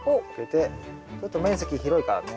ちょっと面積広いからね。